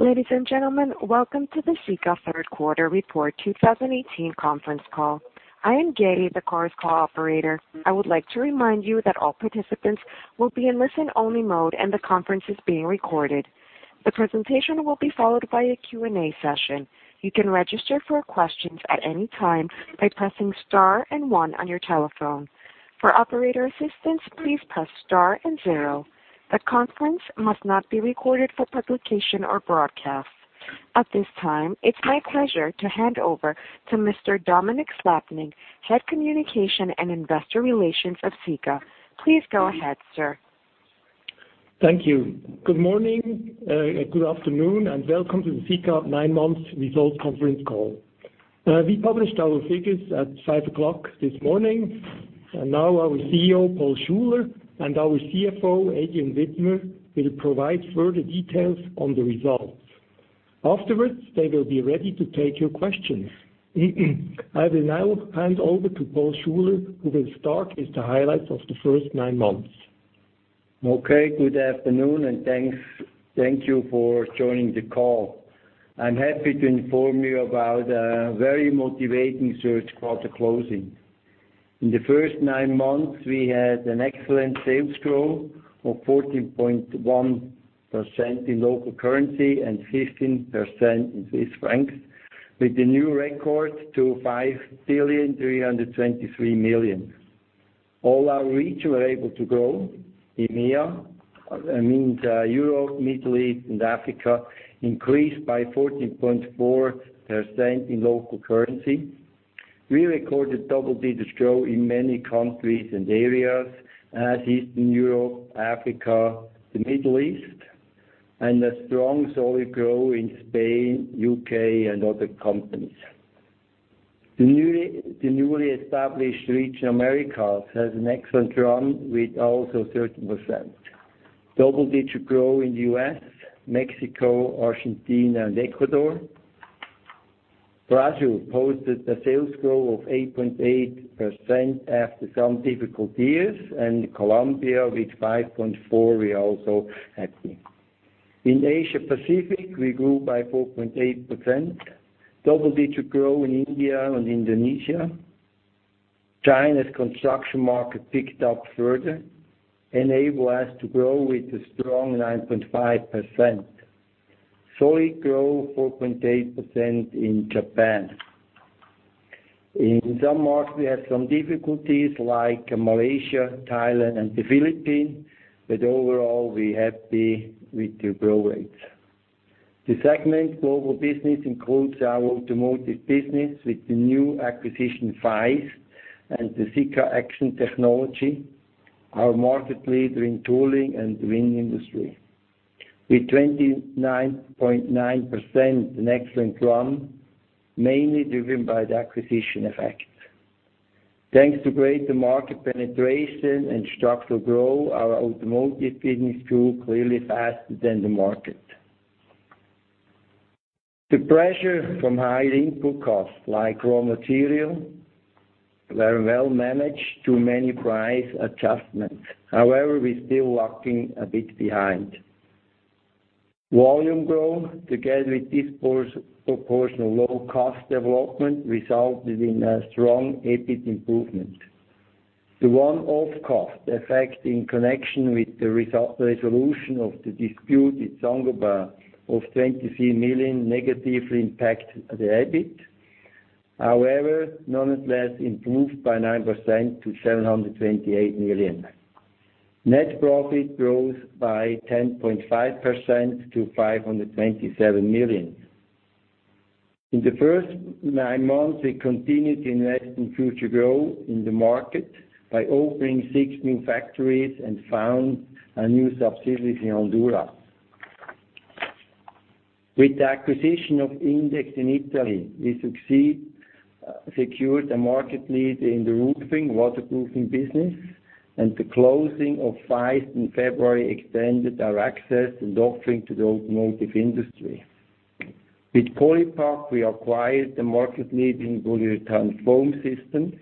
Ladies and gentlemen, welcome to the Sika Third Quarter Report 2018 conference call. I am Gabby, the conference call operator. I would like to remind you that all participants will be in listen-only mode, and the conference is being recorded. The presentation will be followed by a Q&A session. You can register for questions at any time by pressing star and one on your telephone. For operator assistance, please press star and zero. The conference must not be recorded for publication or broadcast. At this time, it's my pleasure to hand over to Mr. Dominik Slappnig, Head of Communication and Investor Relations at Sika. Please go ahead, sir. Thank you. Good morning, good afternoon, and welcome to the Sika Nine Months Results conference call. We published our figures at 5:00 this morning. Now our CEO, Paul Schuler, and our CFO, Adrian Widmer, will provide further details on the results. Afterwards, they will be ready to take your questions. I will now hand over to Paul Schuler, who will start with the highlights of the first nine months. Okay, good afternoon, and thank you for joining the call. I'm happy to inform you about a very motivating third quarter closing. In the first nine months, we had an excellent sales growth of 14.1% in local currency and 15% in Swiss francs, with the new record to 5.323 billion. All our regions were able to grow. EMEA, I mean Europe, Middle East, and Africa, increased by 14.4% in local currency. We recorded double-digit growth in many countries and areas, as Eastern Europe, Africa, the Middle East, and a strong, solid growth in Spain, U.K., and other companies. The newly established region Americas had an excellent run with also 13%. Double-digit growth in U.S., Mexico, Argentina, and Ecuador. Brazil posted a sales growth of 8.8% after some difficult years, and Colombia with 5.4%, we are also happy. In Asia Pacific, we grew by 4.8%. Double-digit growth in India and Indonesia. China's construction market picked up further, enable us to grow with a strong 9.5%. Solid growth, 4.8%, in Japan. In some markets, we had some difficulties like Malaysia, Thailand, and the Philippines, but overall, we're happy with the growth rates. The segment global business includes our automotive business with the new acquisition, Faist, and the Sika Axson Technology, our market leader in tooling and wind industry. With 29.9%, an excellent run, mainly driven by the acquisition effect. Thanks to greater market penetration and structural growth, our automotive business grew clearly faster than the market. The pressure from high input costs, like raw material, were well managed through many price adjustments. We're still walking a bit behind. Volume growth, together with disproportionate low cost development, resulted in a strong EBIT improvement. The one-off cost effect in connection with the resolution of the dispute with Saint-Gobain of 23 million negatively impacted the EBIT. Nonetheless improved by 9% to 728 million. Net profit grows by 10.5% to 527 million. In the first nine months, we continued to invest in future growth in the market by opening six new factories and found a new subsidiary in Honduras. With the acquisition of Index in Italy, we secured a market lead in the roofing/waterproofing business, and the closing of Faist in February extended our access and offering to the automotive industry. With Polypag, we acquired the market lead in polyurethane foam systems.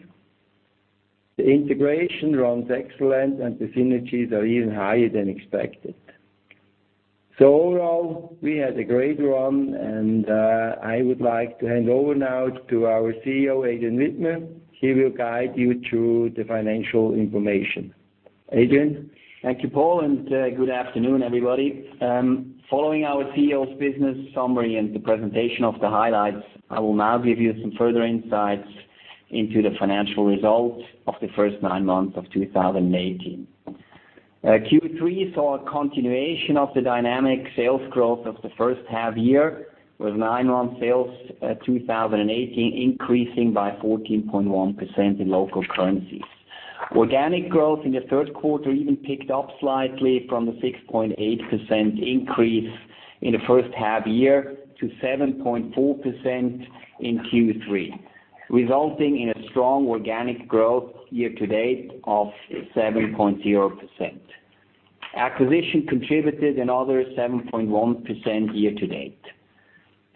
The integration runs excellent, and the synergies are even higher than expected. Overall, we had a great run, and I would like to hand over now to our CEO, Adrian Widmer. He will guide you through the financial information. Adrian? Thank you, Paul, and good afternoon, everybody. Following our CEO's business summary and the presentation of the highlights, I will now give you some further insights into the financial results of the first nine months of 2018. Q3 saw a continuation of the dynamic sales growth of the first half year, with nine-month sales, 2018, increasing by 14.1% in local currencies. Organic growth in the third quarter even picked up slightly from the 6.8% increase in the first half year to 7.4% in Q3, resulting in a strong organic growth year-to-date of 7.0%. Acquisition contributed another 7.1% year-to-date.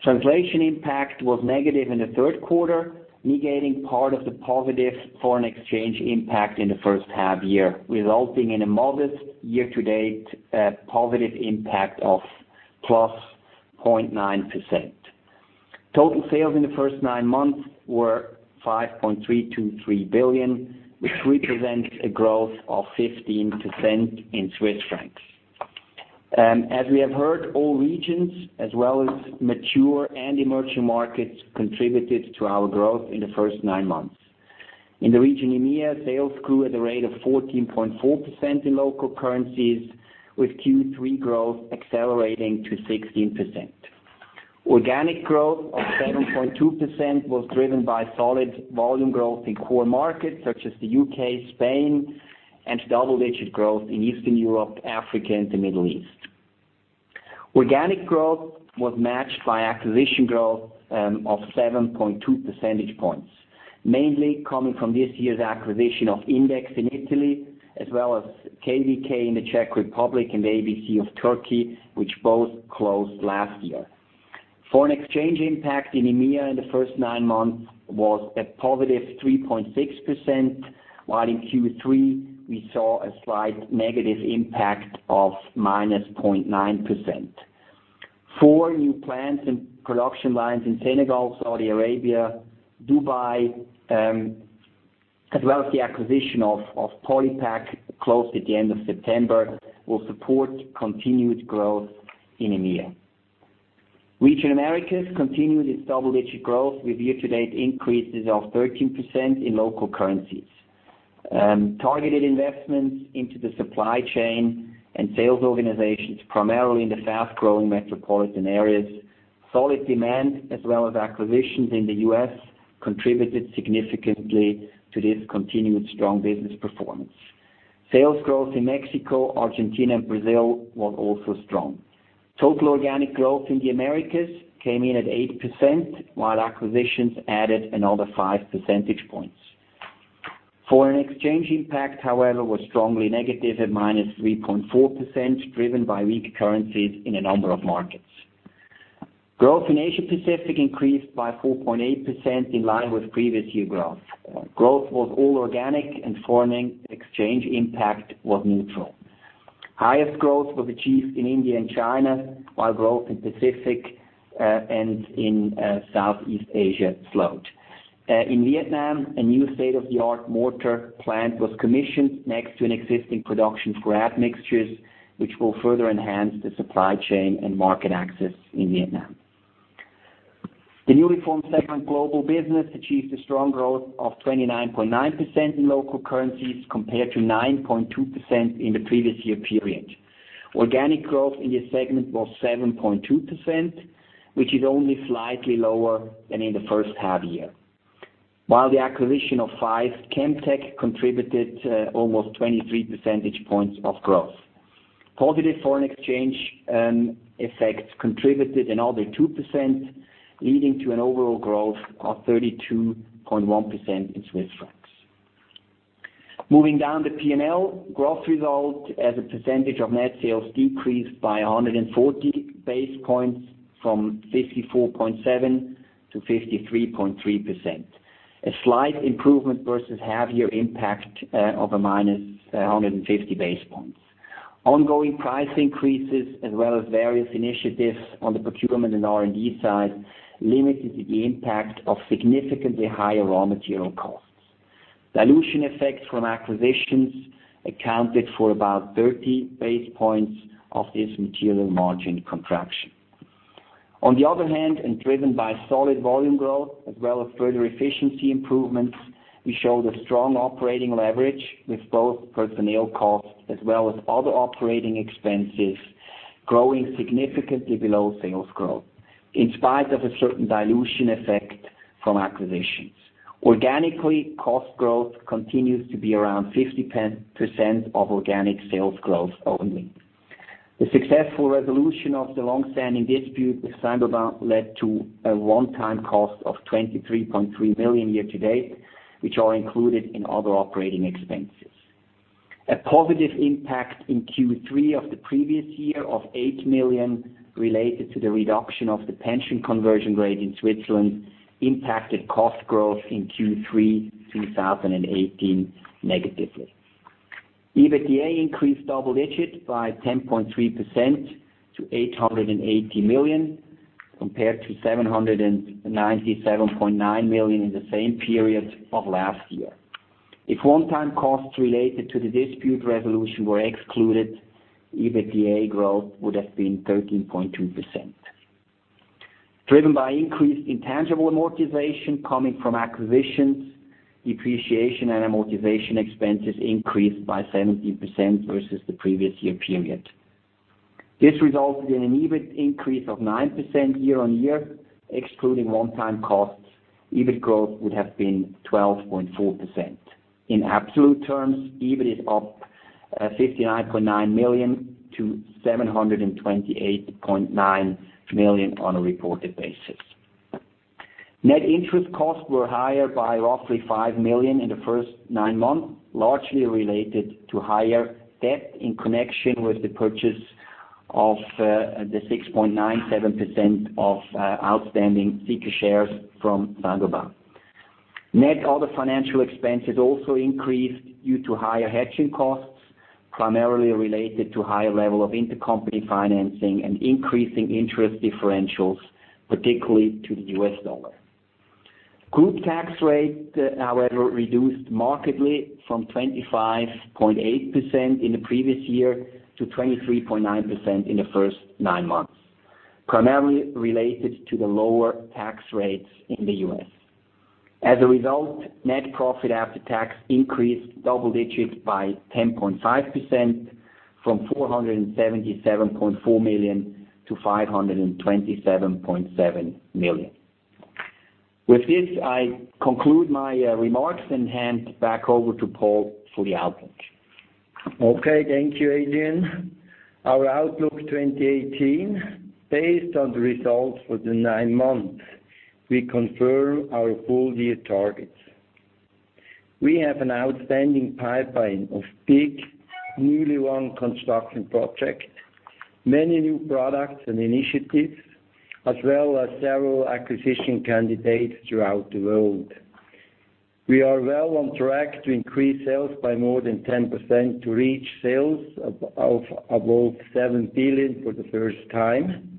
Translation impact was negative in the third quarter, negating part of the positive foreign exchange impact in the first half-year, resulting in a modest year-to-date positive impact of +0.9%. Total sales in the first nine months were 5.323 billion, which represents a growth of 15% in CHF. As we have heard, all regions, as well as mature and emerging markets, contributed to our growth in the first nine months. In the region EMEA, sales grew at a rate of 14.4% in local currencies, with Q3 growth accelerating to 16%. Organic growth of 7.2% was driven by solid volume growth in core markets such as the U.K., Spain, and double-digit growth in Eastern Europe, Africa, and the Middle East. Organic growth was matched by acquisition growth of 7.2 percentage points, mainly coming from this year's acquisition of Index in Italy, as well as KVK in the Czech Republic and ABC of Turkey, which both closed last year. Foreign exchange impact in EMEA in the first nine months was a positive 3.6%, while in Q3 we saw a slight negative impact of -0.9%. Four new plants and production lines in Senegal, Saudi Arabia, Dubai, as well as the acquisition of Polypag closed at the end of September, will support continued growth in EMEA. Region Americas continued its double-digit growth with year-to-date increases of 13% in local currencies. Targeted investments into the supply chain and sales organizations, primarily in the fast-growing metropolitan areas, solid demand, as well as acquisitions in the U.S., contributed significantly to this continued strong business performance. Sales growth in Mexico, Argentina, and Brazil was also strong. Total organic growth in the Americas came in at 8%, while acquisitions added another five percentage points. Foreign exchange impact, however, was strongly negative at -3.4%, driven by weak currencies in a number of markets. Growth in Asia-Pacific increased by 4.8%, in line with previous year growth. Growth was all organic and foreign exchange impact was neutral. Highest growth was achieved in India and China, while growth in Pacific and in Southeast Asia slowed. In Vietnam, a new state-of-the-art mortar plant was commissioned next to an existing production for admixture, which will further enhance the supply chain and market access in Vietnam. The newly formed segment global business achieved a strong growth of 29.9% in local currencies compared to 9.2% in the previous year period. Organic growth in this segment was 7.2%, which is only slightly lower than in the first half year. While the acquisition of Faist ChemTec contributed almost 23 percentage points of growth. Positive foreign exchange effects contributed another 2%, leading to an overall growth of 32.1% in CHF. Moving down the P&L, growth result as a percentage of net sales decreased by 140 basis points from 54.7% to 53.3%. A slight improvement versus half year impact of a minus 150 basis points. Ongoing price increases as well as various initiatives on the procurement and R&D side limited the impact of significantly higher raw material costs. Dilution effects from acquisitions accounted for about 30 basis points of this material margin contraction. On the other hand, and driven by solid volume growth as well as further efficiency improvements, we showed a strong operating leverage with both personnel costs as well as other operating expenses growing significantly below sales growth, in spite of a certain dilution effect from acquisitions. Organically, cost growth continues to be around 50% of organic sales growth only. The successful resolution of the long-standing dispute with Saint-Gobain led to a one-time cost of 23.3 million year to date, which are included in other operating expenses. A positive impact in Q3 of the previous year of 8 million related to the reduction of the pension conversion rate in Switzerland impacted cost growth in Q3 2018 negatively. EBITDA increased double digits by 10.3% to 880 million, compared to 797.9 million in the same period of last year. If one-time costs related to the dispute resolution were excluded, EBITDA growth would have been 13.2%. Driven by increased intangible amortization coming from acquisitions, depreciation, and amortization expenses increased by 70% versus the previous year period. This resulted in an EBIT increase of 9% year-over-year. Excluding one-time costs, EBIT growth would have been 12.4%. In absolute terms, EBIT is up 59.9 million to 728.9 million on a reported basis. Net interest costs were higher by roughly 5 million in the first nine months, largely related to higher debt in connection with the purchase of the 6.97% of outstanding Sika shares from Saint-Gobain. Net other financial expenses also increased due to higher hedging costs, primarily related to higher level of intercompany financing and increasing interest differentials, particularly to the US dollar. Group tax rate, however, reduced markedly from 25.8% in the previous year to 23.9% in the first nine months, primarily related to the lower tax rates in the U.S. As a result, net profit after tax increased double digits by 10.5%, from 477.4 million to 527.7 million. With this, I conclude my remarks and hand back over to Paul for the outlook. Okay. Thank you, Adrian. Our outlook 2018, based on the results for the nine months, we confirm our full-year targets. We have an outstanding pipeline of big, newly won construction projects, many new products and initiatives, as well as several acquisition candidates throughout the world. We are well on track to increase sales by more than 10% to reach sales of above 7 billion for the first time.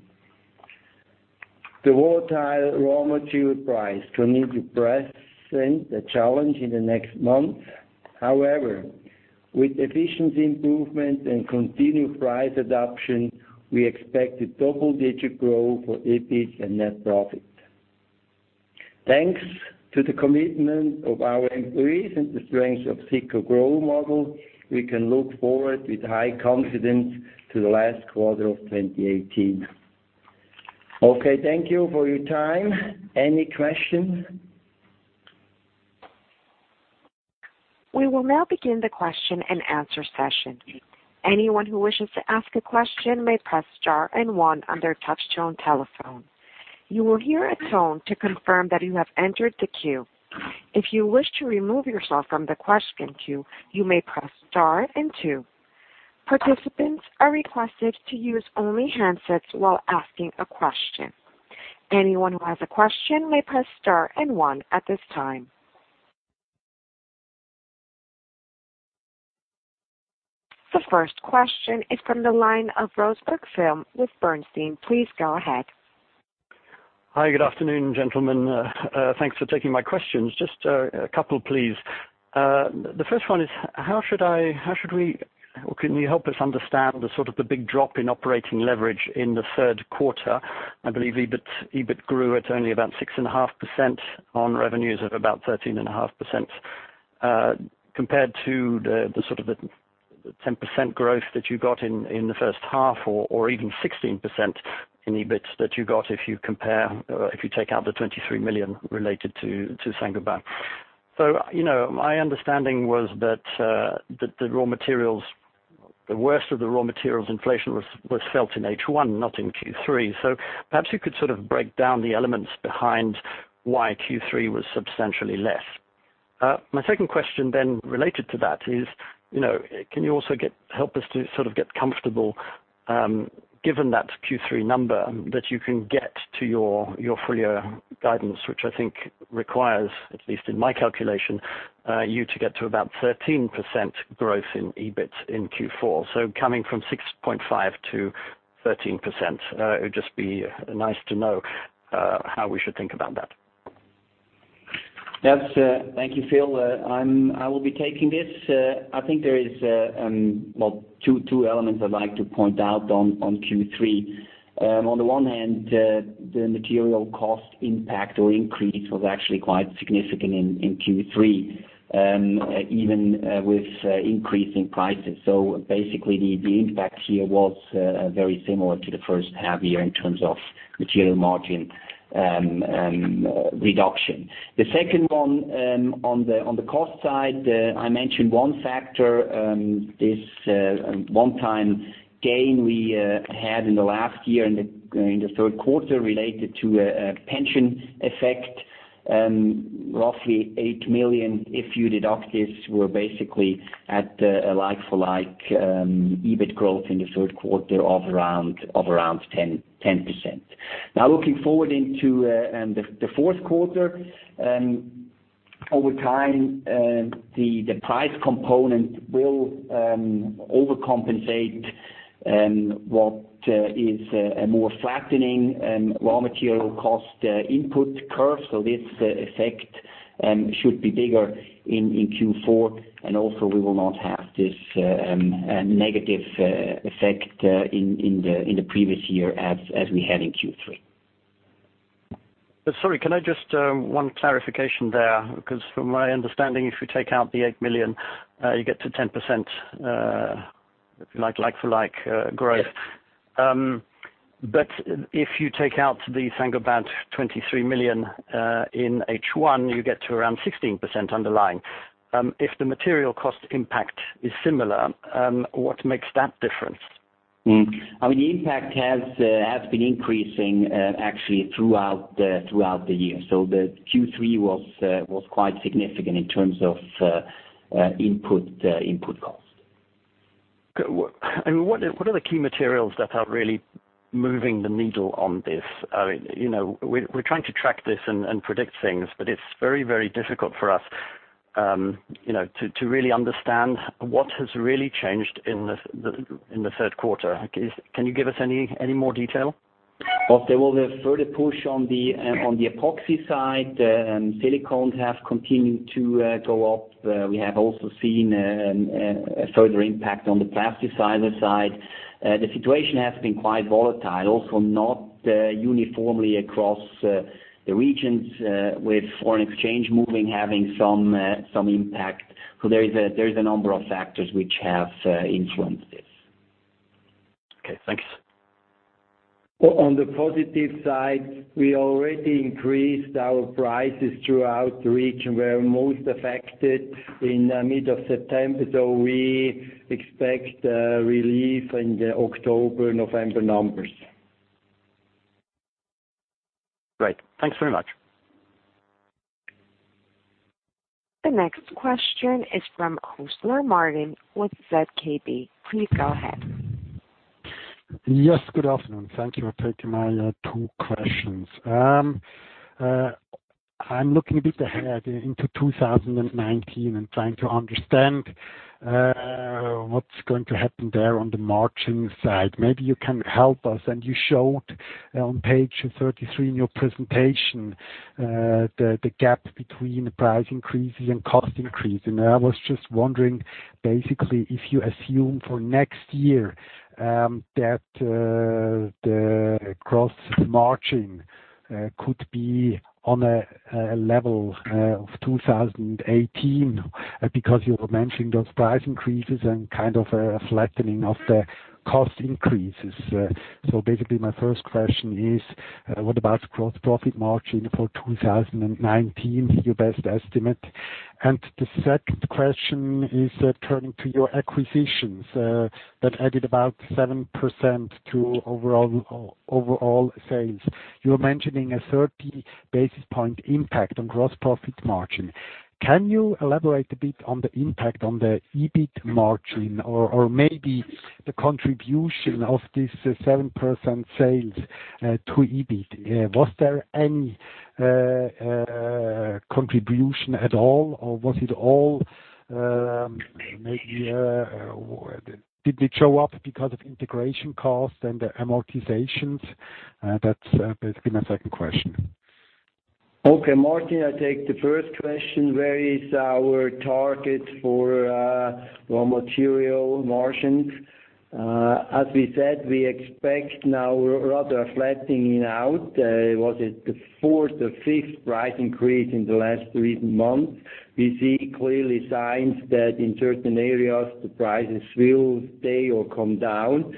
The volatile raw material price continues to present a challenge in the next months. However, with efficiency improvement and continued price adaptation, we expect a double-digit growth for EBIT and net profit. Thanks to the commitment of our employees and the strength of Sika growth model, we can look forward with high confidence to the last quarter of 2018. Okay, thank you for your time. Any questions? We will now begin the question and answer session. Anyone who wishes to ask a question may press star on their touch-tone telephone. You will hear a tone to confirm that you have entered the queue. If you wish to remove yourself from the question queue, you may press star two. Participants are requested to use only handsets while asking a question. Anyone who has a question may press star one at this time. The first question is from the line of Phil Roseberg with Bernstein. Please go ahead. Hi. Good afternoon, gentlemen. Thanks for taking my questions. Just a couple, please. The first one is, can you help us understand the big drop in operating leverage in the third quarter? I believe EBIT grew at only about 6.5% on revenues of about 13.5%, compared to the 10% growth that you got in the first half, or even 16% in EBIT that you got if you take out the 23 million related to Saint-Gobain. My understanding was that the worst of the raw materials inflation was felt in H1, not in Q3. Perhaps you could break down the elements behind why Q3 was substantially less. My second question, related to that is, can you also help us to get comfortable, given that Q3 number, that you can get to your full-year guidance, which I think requires, at least in my calculation, you to get to about 13% growth in EBIT in Q4. Coming from 6.5 to 13%, it would just be nice to know how we should think about that. Yes. Thank you, Phil. I will be taking this. I think there is two elements I'd like to point out on Q3. On the one hand, the material cost impact or increase was actually quite significant in Q3, even with increasing prices. Basically, the impact here was very similar to the first half year in terms of material margin reduction. The second one, on the cost side, I mentioned one factor, this one time gain we had in the last year in the third quarter related to a pension effect, roughly 8 million. If you deduct this, we're basically at a like-for-like EBIT growth in the third quarter of around 10%. Looking forward into the fourth quarter, over time, the price component will overcompensate what is a more flattening raw material cost input curve. This effect should be bigger in Q4, and also we will not have this negative effect in the previous year as we had in Q3. Sorry, can I just one clarification there, because from my understanding, if you take out the 8 million, you get to 10%, like-for-like growth. If you take out the Saint-Gobain 23 million in H1, you get to around 16% underlying. If the material cost impact is similar, what makes that difference? The impact has been increasing actually throughout the year. Q3 was quite significant in terms of input cost. Good. What are the key materials that are really moving the needle on this? We're trying to track this and predict things, but it's very difficult for us to really understand what has really changed in the third quarter. Can you give us any more detail? Well, there was a further push on the epoxy side. Silicones have continued to go up. We have also seen a further impact on the plasticizer side. The situation has been quite volatile, also not uniformly across the regions, with foreign exchange moving having some impact. There is a number of factors which have influenced this. Okay, thanks. On the positive side, we already increased our prices throughout the region where most affected in the mid of September, so we expect relief in the October, November numbers. Great. Thanks very much. The next question is from Martin Huesler with ZKB. Please go ahead. Yes, good afternoon. Thank you for taking my two questions. I'm looking a bit ahead into 2019 and trying to understand what's going to happen there on the margin side. Maybe you can help us. You showed on page 33 in your presentation, the gap between price increases and cost increase. I was just wondering, basically, if you assume for next year that the gross margin could be on a level of 2018, because you were mentioning those price increases and kind of a flattening of the cost increases. Basically, my first question is, what about gross profit margin for 2019, your best estimate? The second question is turning to your acquisitions that added about 7% to overall sales. You were mentioning a 30 basis point impact on gross profit margin. Can you elaborate a bit on the impact on the EBIT margin or maybe the contribution of this 7% sales to EBIT? Was there any contribution at all? Did it show up because of integration costs and amortizations? That's basically my second question. Okay, Martin, I take the first question, where is our target for raw material margins. As we said, we expect now rather flattening out. Was it the fourth or fifth price increase in the last three months? We see clearly signs that in certain areas, the prices will stay or come down.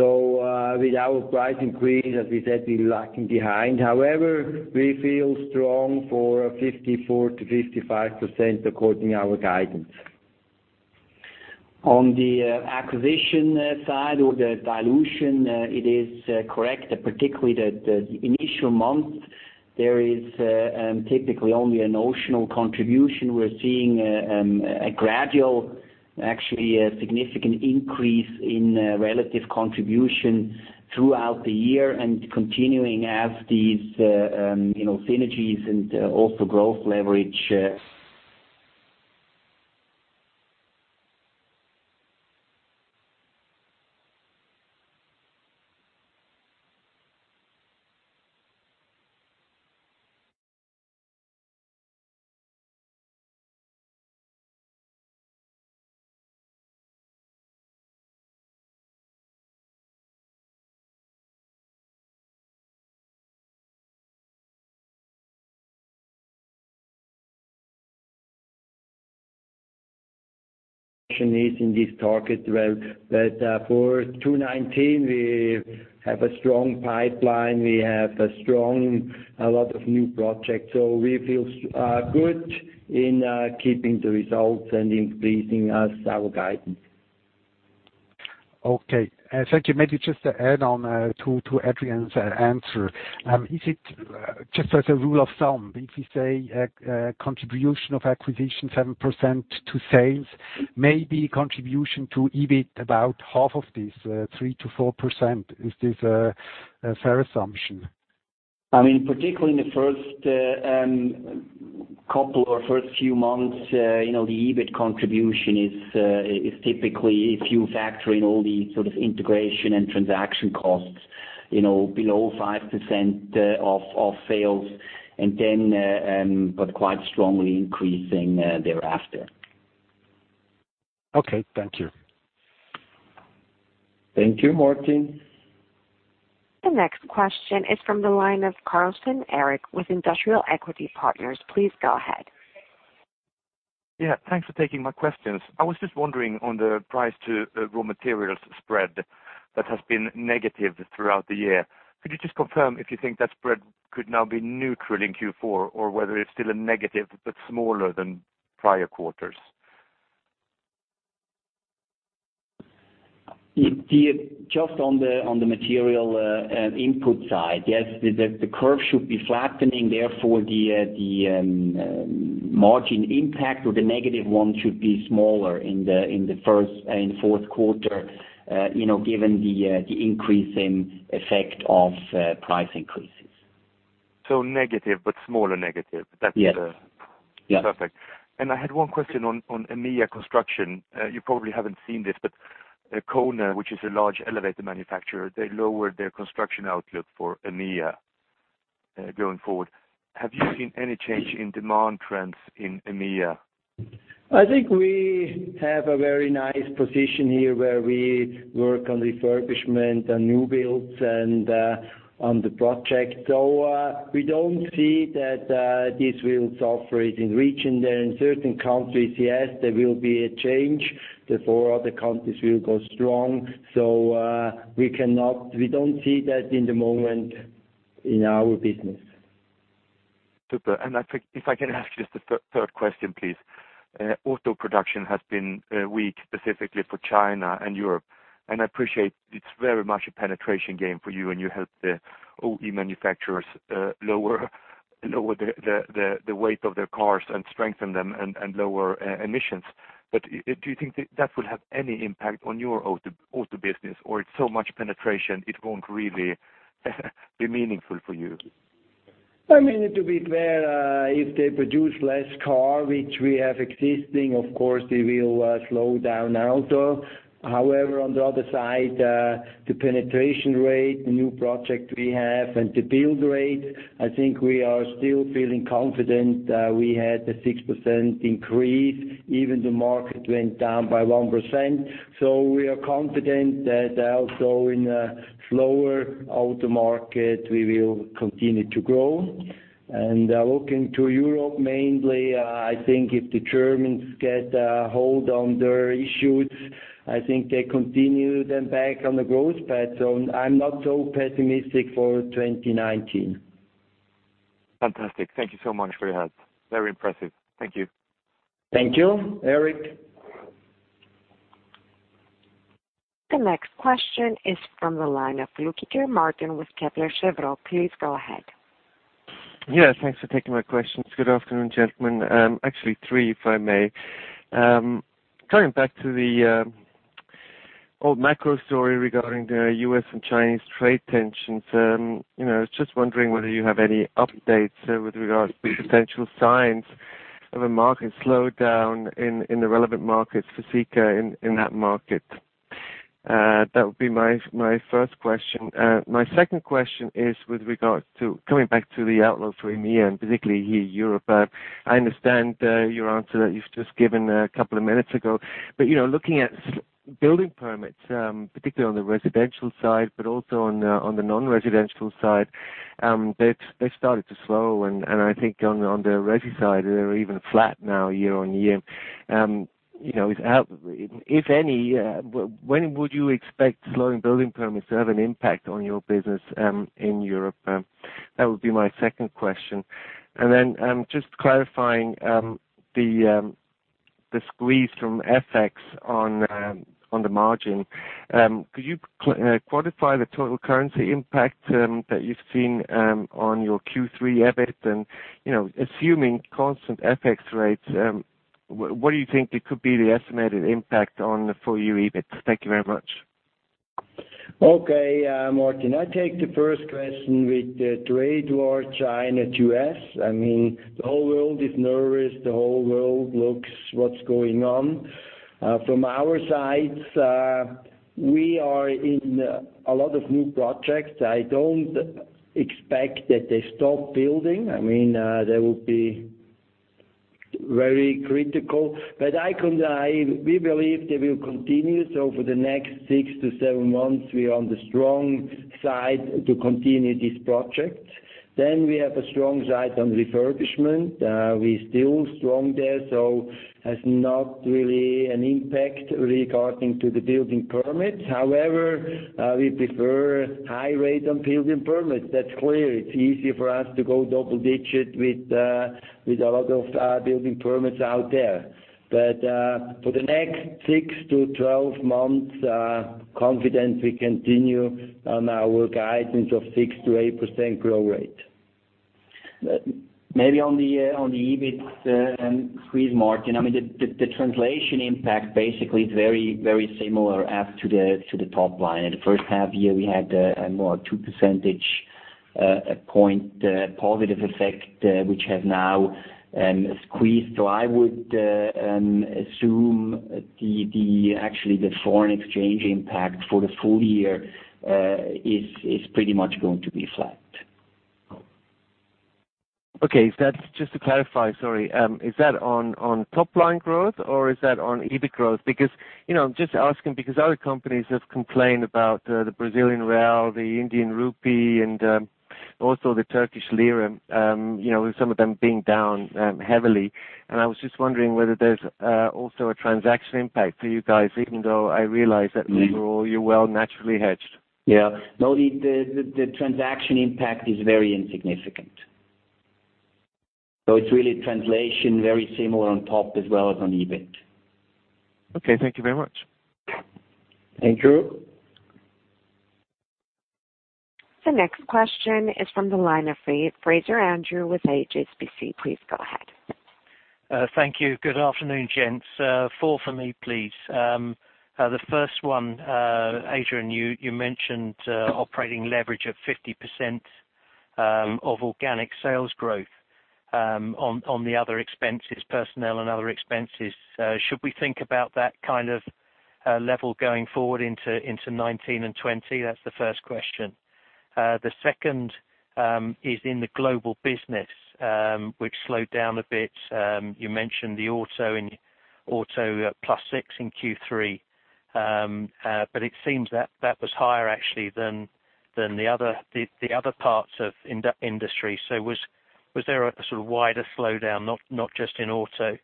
With our price increase, as we said, we're lagging behind. However, we feel strong for 54%-55%, according our guidance. On the acquisition side or the dilution, it is correct, particularly the initial months, there is typically only a notional contribution. We're seeing a gradual, actually, a significant increase in relative contribution throughout the year and continuing as these synergies and also growth leverage is in this target. Well, that for 2019, we have a strong pipeline. We have a lot of new projects. We feel good in keeping the results and increasing our guidance. Okay. Thank you. Maybe just to add on to Adrian's answer. Is it just as a rule of thumb, if you say contribution of acquisition 7% to sales, maybe contribution to EBIT about half of this, 3%-4%? Is this a fair assumption? I mean particularly in the first couple or first few months, the EBIT contribution is typically, if you factor in all the sort of integration and transaction costs, below 5% of sales, but quite strongly increasing thereafter. Okay, thank you. Thank you, Martin. The next question is from the line of Erik Karlsson with Industrial Equity Partners. Please go ahead. Yeah, thanks for taking my questions. I was just wondering on the price to raw materials spread that has been negative throughout the year. Could you just confirm if you think that spread could now be neutral in Q4 or whether it's still a negative but smaller than prior quarters. Just on the material input side. Yes, the curve should be flattening, therefore the margin impact or the negative one should be smaller in the first and fourth quarter, given the increase in effect of price increases. Negative, smaller negative. Yes. Perfect. I had one question on EMEA construction. You probably haven't seen this, but KONE, which is a large elevator manufacturer, they lowered their construction outlook for EMEA going forward. Have you seen any change in demand trends in EMEA? I think we have a very nice position here where we work on refurbishment and new builds and on the project. We don't see that this will suffer. In certain countries, yes, there will be a change. Therefore, other countries will go strong. We don't see that in the moment in our business. Super. I think if I can ask just a third question, please. Auto production has been weak specifically for China and Europe. I appreciate it's very much a penetration game for you, and you help the OE manufacturers lower the weight of their cars and strengthen them and lower emissions. Do you think that will have any impact on your auto business, or it's so much penetration it won't really be meaningful for you? I mean, to be fair, if they produce less car, which we have existing, of course, they will slow down auto. However, on the other side, the penetration rate, the new project we have, and the build rate, I think we are still feeling confident. We had a 6% increase, even the market went down by 1%. We are confident that also in a slower auto market, we will continue to grow. Looking to Europe mainly, I think if the Germans get a hold on their issues, I think they continue then back on the growth path. I'm not so pessimistic for 2019. Fantastic. Thank you so much for your help. Very impressive. Thank you. Thank you. Erik. The next question is from the line of Martin Flueckiger with Kepler Cheuvreux. Please go ahead. Yes, thanks for taking my questions. Good afternoon, gentlemen. Actually three, if I may. Coming back to the old macro story regarding the U.S. and Chinese trade tensions. I was just wondering whether you have any updates with regards to potential signs of a market slowdown in the relevant markets for Sika in that market. That would be my first question. My second question is with regards to coming back to the outlook for EMEA and particularly Europe. I understand your answer that you've just given a couple of minutes ago, but looking at building permits, particularly on the residential side, but also on the non-residential side, they started to slow and I think on the resi side, they're even flat now year-over-year. If any, when would you expect slowing building permits to have an impact on your business in Europe? That would be my second question. Just clarifying the squeeze from FX on the margin. Could you quantify the total currency impact that you've seen on your Q3 EBIT? Assuming constant FX rates, what do you think could be the estimated impact on the full-year EBIT? Thank you very much. Okay, Martin, I take the first question with the trade war, China, U.S. I mean, the whole world is nervous. The whole world looks what's going on. From our side, we are in a lot of new projects. I don't expect that they stop building. That would be very critical, but we believe they will continue. For the next six to seven months, we are on the strong side to continue this project. We have a strong side on refurbishment. We still strong there, so has not really an impact regarding to the building permits. However, we prefer high rate on building permits. That's clear. It's easy for us to go double digit with a lot of building permits out there. For the next 6 to 12 months, confident we continue on our guidance of 6%-8% growth rate. On the EBIT increase, Martin, the translation impact basically is very similar as to the top line. In the first half year, we had a more two percentage point positive effect, which has now squeezed. I would assume actually the foreign exchange impact for the full year is pretty much going to be flat. Okay. Just to clarify, sorry, is that on top line growth or is that on EBIT growth? I'm just asking because other companies have complained about the Brazilian real, the Indian rupee, and also the Turkish lira, with some of them being down heavily. I was just wondering whether there's also a transaction impact for you guys, even though I realize that overall you're well naturally hedged. Yeah. No, the transaction impact is very insignificant. It's really translation, very similar on top as well as on EBIT. Okay, thank you very much. Thank you. The next question is from the line of Andrew Fraser with HSBC. Please go ahead. Thank you. Good afternoon, gents. four from me, please. The first one, Adrian, you mentioned operating leverage of 50% of organic sales growth on the other expenses, personnel and other expenses. Should we think about that kind of level going forward into 2019 and 2020? That's the first question. The second is in the global business, which slowed down a bit. You mentioned the auto plus six in Q3, but it seems that was higher actually than the other parts of industry. Was there a sort of wider slowdown, not just in auto?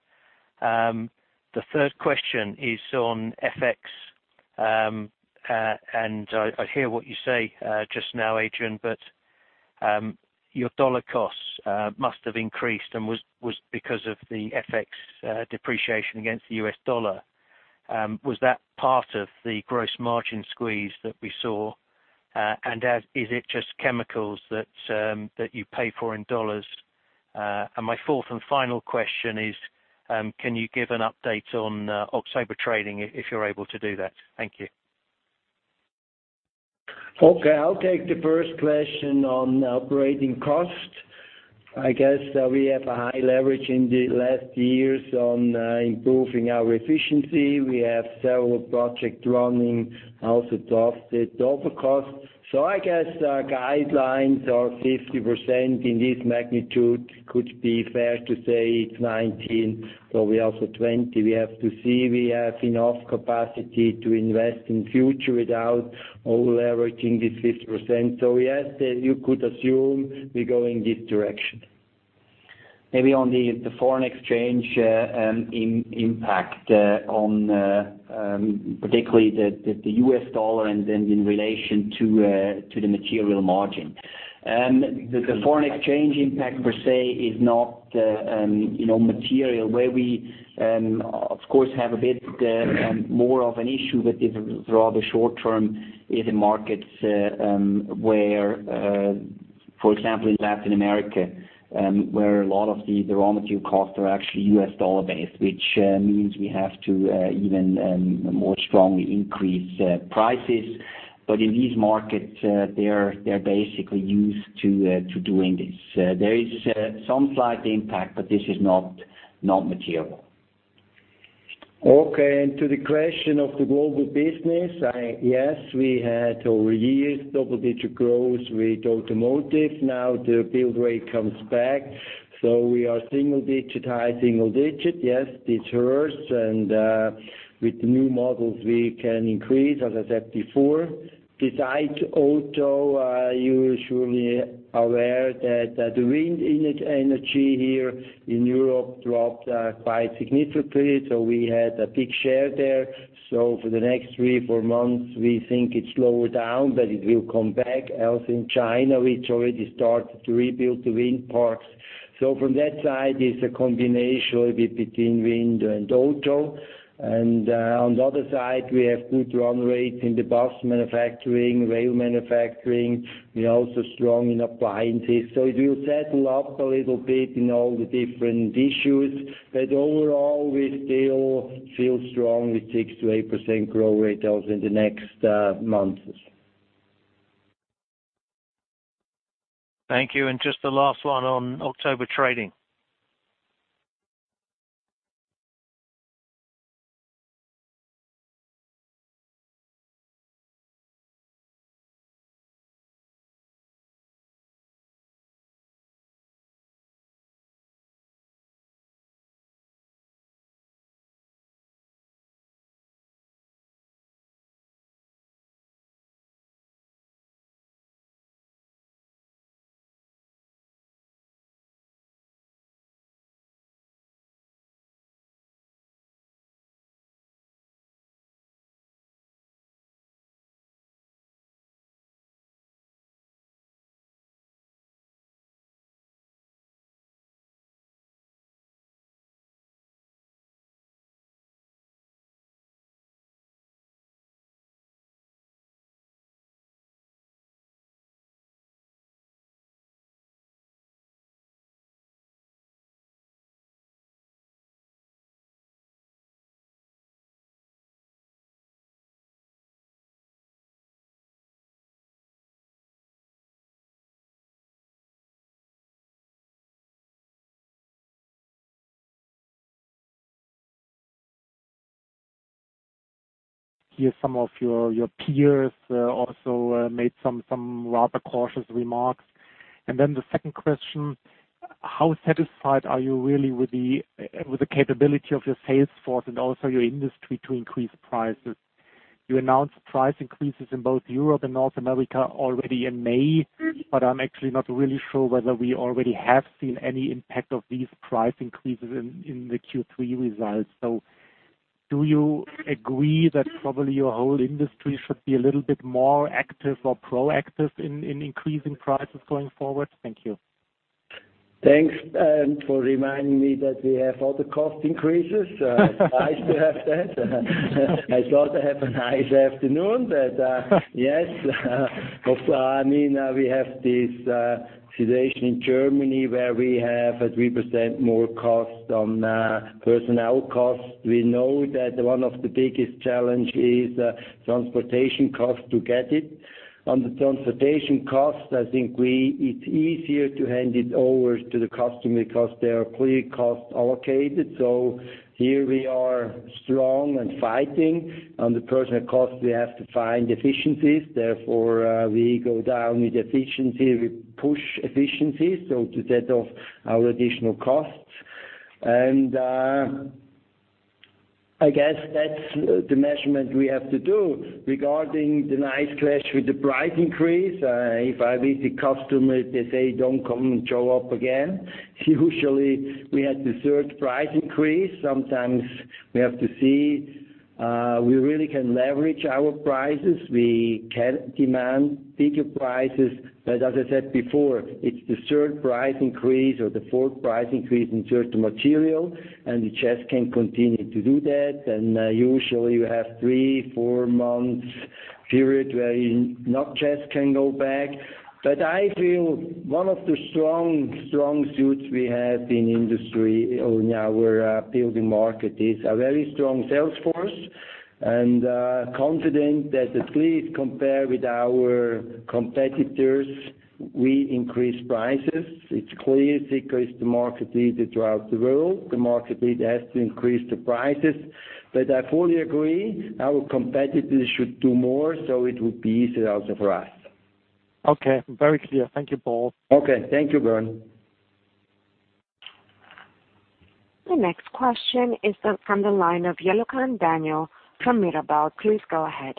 The third question is on FX. I hear what you say just now, Adrian, but your dollar costs must have increased and was because of the FX depreciation against the US dollar. Was that part of the gross margin squeeze that we saw? And is it just chemicals that you pay for in dollars? My fourth and final question is, can you give an update on October trading, if you're able to do that? Thank you. Okay. I'll take the first question on operating costs. I guess, we have a high leverage in the last years on improving our efficiency. We have several project running also to offset the other costs. I guess, guidelines are 50% in this magnitude. Could be fair to say it's 2019, probably also 2020. We have to see. We have enough capacity to invest in future without over-leveraging this 50%. Yes, you could assume we're going this direction. Maybe on the foreign exchange impact on particularly the US dollar and then in relation to the material margin. The foreign exchange impact per se is not material. Where we, of course, have a bit more of an issue, this is rather short term, is in markets where, for example, in Latin America, where a lot of the raw material costs are actually US dollar-based, which means we have to even more strongly increase prices. In these markets, they're basically used to doing this. There is some slight impact, this is not material. Okay, to the question of the global business, yes, we had over years double-digit growth with automotive. Now the build rate comes back. We are single digit, high single digit. Yes, it hurts, and with the new models, we can increase, as I said before. Beside auto, you surely aware that the wind energy here in Europe dropped quite significantly. We had a big share there. For the next three, four months, we think it slowed down, but it will come back. Also in China, it already started to rebuild the wind parks. From that side, it's a combination a bit between wind and auto. On the other side, we have good run rate in the bus manufacturing, rail manufacturing. We're also strong in appliances. It will settle up a little bit in all the different issues. Overall, we still feel strong with 6%-8% growth rate also in the next months. Thank you. Just the last one on October trading. Here, some of your peers also made some rather cautious remarks. The second question, how satisfied are you really with the capability of your sales force and also your industry to increase prices? You announced price increases in both Europe and North America already in May, but I'm actually not really sure whether we already have seen any impact of these price increases in the Q3 results. Do you agree that probably your whole industry should be a little bit more active or proactive in increasing prices going forward? Thank you. Thanks for reminding me that we have other cost increases. It's nice to have that. I thought I have a nice afternoon, but yes. We have this situation in Germany where we have 3% more costs on personnel costs. We know that one of the biggest challenge is transportation cost to get it. On the transportation cost, I think it's easier to hand it over to the customer because they are clearly cost allocated. Here we are strong and fighting. On the personnel cost, we have to find efficiencies, therefore, we go down with efficiency. We push efficiency, so to set off our additional costs. I guess that's the measurement we have to do. Regarding the nice clash with the price increase, if I visit customer, they say, "Don't come and show up again." Usually we have the third price increase. Sometimes we have to see, we really can leverage our prices. We can demand bigger prices. As I said before, it's the third price increase or the fourth price increase in certain material, and we just can continue to do that. Usually you have three, four months period where not just can go back. I feel one of the strong suits we have in industry or in our building market is a very strong sales force, and confident that at least compared with our competitors, we increase prices. It's clear Sika is the market leader throughout the world. The market leader has to increase the prices. I fully agree, our competitors should do more, so it would be easier also for us. Okay. Very clear. Thank you, Paul. Okay. Thank you, Bernd. The next question is from the line of Daniel Jelovcan from Mirabaud. Please go ahead.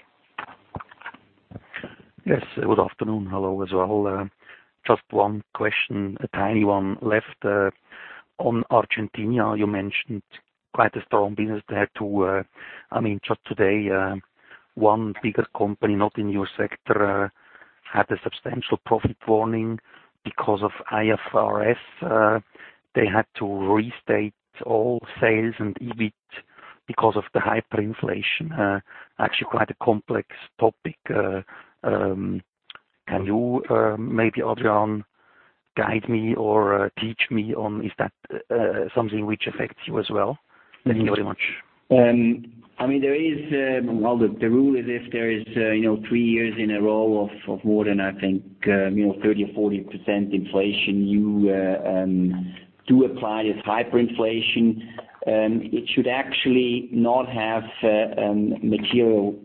Yes, good afternoon. Hello as well. Just one question, a tiny one left. On Argentina, you mentioned quite a strong business there too. Just today, one bigger company, not in your sector, had a substantial profit warning because of IFRS. They had to restate all sales and EBIT because of the hyperinflation. Actually quite a complex topic. Can you, maybe Adrian, guide me or teach me on, is that something which affects you as well? Thank you very much. Well, the rule is if there is three years in a row of more than, I think, 30% or 40% inflation, you do apply this hyperinflation. It should actually not have material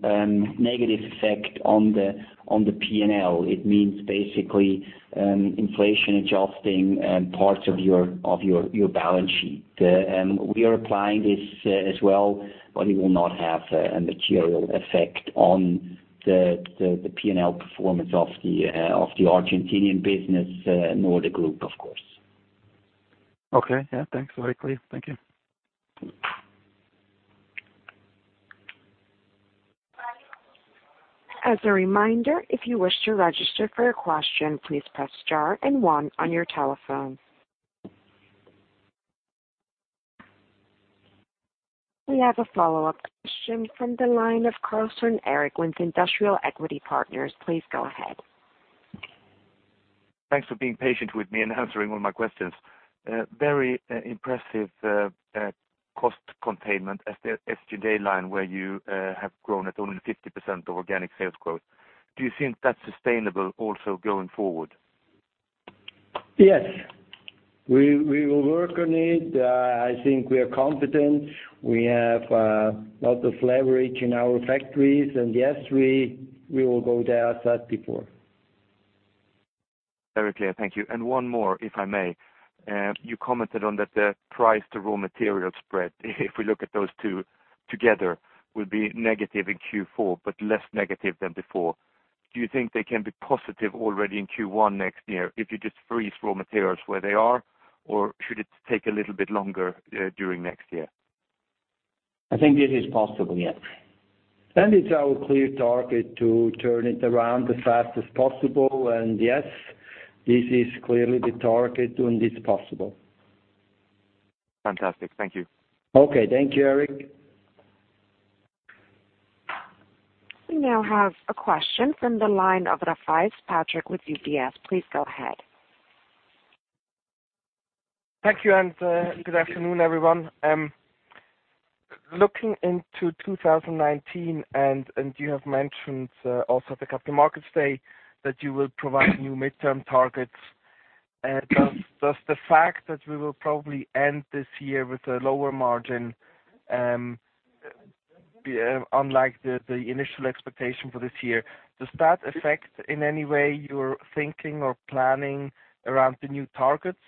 negative effect on the P&L. It means basically inflation adjusting parts of your balance sheet. We are applying this as well, but it will not have a material effect on the P&L performance of the Argentinian business, nor the group, of course. Okay. Yeah, thanks. Very clear. Thank you. As a reminder, if you wish to register for a question, please press star and one on your telephone. We have a follow-up question from the line of Erik Karlsson with Industrial Equity Partners. Please go ahead. Thanks for being patient with me and answering all my questions. Very impressive cost containment at the SG&A line where you have grown at only 50% of organic sales growth. Do you think that's sustainable also going forward? Yes. We will work on it. I think we are confident. We have lots of leverage in our factories. Yes, we will go there as said before. Very clear. Thank you. One more, if I may. You commented on that the price to raw material spread, if we look at those two together, will be negative in Q4, but less negative than before. Do you think they can be positive already in Q1 next year if you just freeze raw materials where they are? Should it take a little bit longer during next year? I think this is possible, yes. It's our clear target to turn it around as fast as possible. Yes, this is clearly the target doing this possible. Fantastic. Thank you. Okay. Thank you, Erik. We now have a question from the line of Patrick Rafaisz with UBS. Please go ahead. Thank you, good afternoon, everyone. Looking into 2019, you have mentioned also the capital markets day that you will provide new midterm targets. Does the fact that we will probably end this year with a lower margin, unlike the initial expectation for this year, does that affect in any way your thinking or planning around the new targets?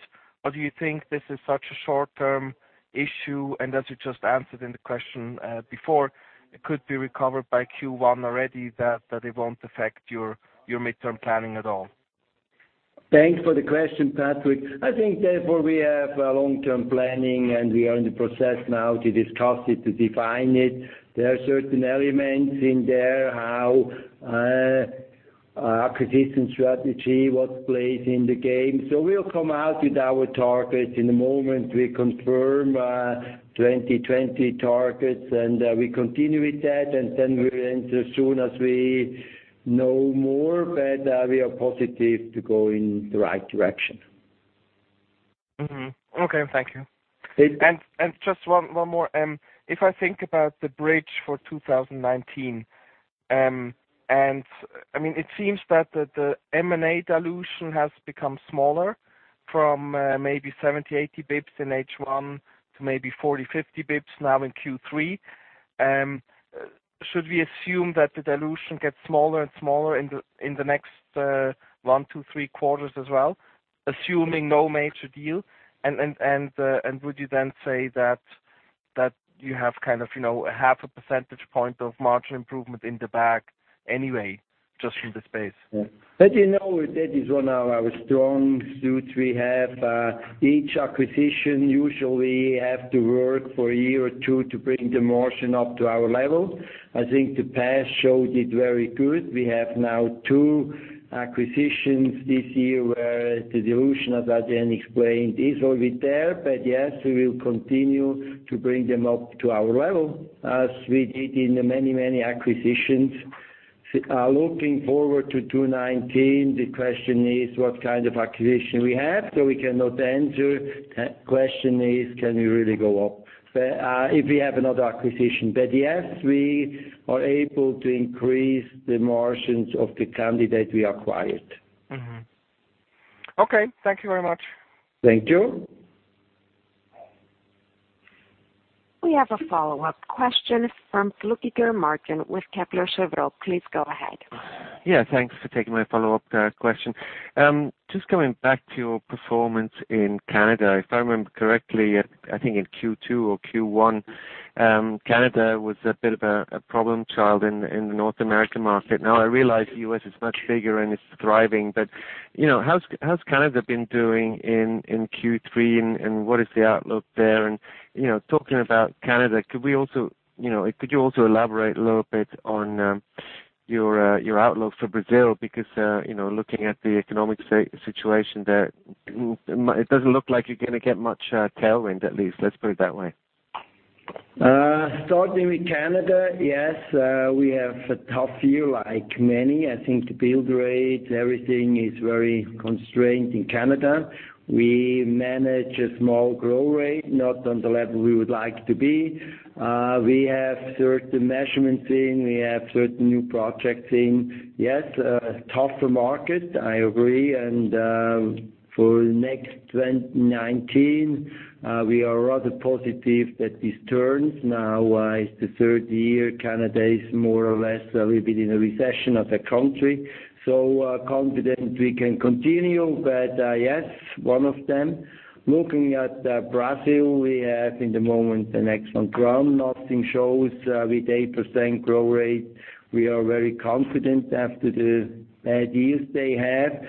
Do you think this is such a short-term issue, and as you just answered in the question before, it could be recovered by Q1 already that it won't affect your midterm planning at all? Thanks for the question, Patrick. I think therefore we have long-term planning, we are in the process now to discuss it, to define it. There are certain elements in there, how acquisition strategy, what plays in the game. We'll come out with our target in the moment we confirm 2020 targets, we continue with that, we'll enter as soon as we know more. We are positive to go in the right direction. Okay. Thank you. It- Just one more. If I think about the bridge for 2019, it seems that the M&A dilution has become smaller from maybe 70, 80 basis points in H1 to maybe 40, 50 basis points now in Q3. Should we assume that the dilution gets smaller and smaller in the next one to three quarters as well, assuming no major deal? Would you then say that you have half a percentage point of margin improvement in the bag anyway, just from the space? As you know, that is one of our strong suits we have. Each acquisition usually have to work for a year or two to bring the margin up to our level. I think the past showed it very good. We have now two acquisitions this year where the dilution, as Adrian explained, is already there. Yes, we will continue to bring them up to our level as we did in the many acquisitions. Looking forward to 2019, the question is what kind of acquisition we have, so we cannot answer. Question is, can we really go up if we have another acquisition? Yes, we are able to increase the margins of the candidate we acquired. Okay. Thank you very much. Thank you. We have a follow-up question from Martin Flueckiger with Kepler Cheuvreux. Please go ahead. Thanks for taking my follow-up question. Just going back to your performance in Canada, if I remember correctly, I think in Q2 or Q1, Canada was a bit of a problem child in the North American market. Now I realize the U.S. is much bigger and it's thriving, but how's Canada been doing in Q3 and what is the outlook there? Talking about Canada, could you also elaborate a little bit on your outlook for Brazil, because looking at the economic situation there, it doesn't look like you're going to get much tailwind at least, let's put it that way. Starting with Canada, yes. We have a tough year like many. I think the build rate, everything is very constrained in Canada. We manage a small growth rate, not on the level we would like to be. We have certain measurements in, we have certain new projects in. Yes, a tougher market, I agree. For next 2019, we are rather positive that this turns. Now is the third year Canada is more or less a little bit in a recession of the country. Confident we can continue, but yes, one of them. Looking at Brazil, we have in the moment an excellent ground. Nothing shows with 8% growth rate. We are very confident after the bad years they have.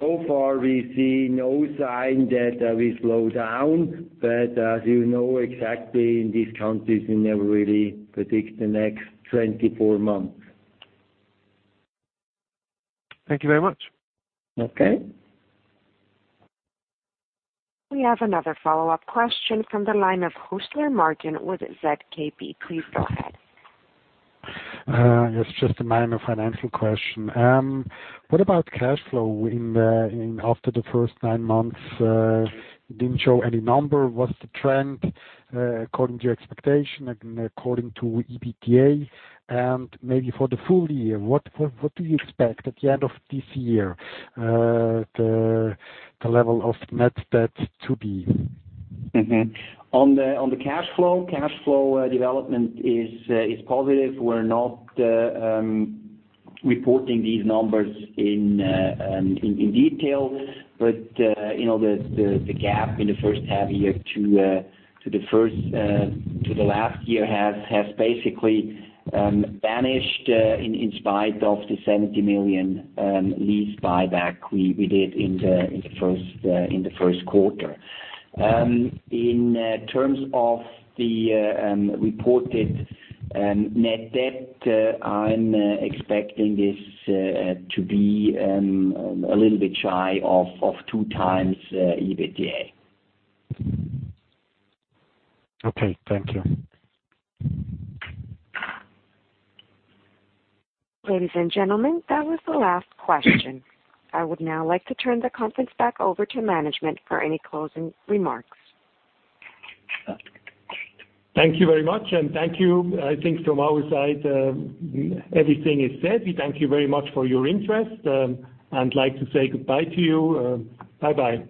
So far we see no sign that we slow down, but as you know exactly, in these countries, we never really predict the next 24 months. Thank you very much. Okay. We have another follow-up question from the line of Martin Huesler with ZKB. Please go ahead. Yes, just a minor financial question. What about cash flow after the first nine months? You didn't show any number. What's the trend according to expectation and according to EBITDA? Maybe for the full year, what do you expect at the end of this year, the level of net debt to be? On the cash flow, cash flow development is positive. We're not reporting these numbers in detail. The gap in the first half year to the last year has basically vanished in spite of the 70 million lease buyback we did in the first quarter. In terms of the reported net debt, I'm expecting this to be a little bit shy of two times EBITDA. Okay. Thank you. Ladies and gentlemen, that was the last question. I would now like to turn the conference back over to management for any closing remarks. Thank you very much, and thank you. I think from our side, everything is said. We thank you very much for your interest, and like to say goodbye to you. Bye-bye.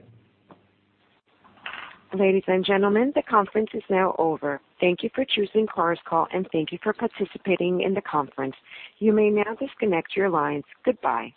Ladies and gentlemen, the conference is now over. Thank you for choosing Chorus Call, and thank you for participating in the conference. You may now disconnect your lines. Goodbye.